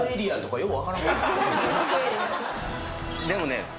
でもね